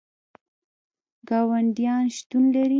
ګاونډیان شتون لري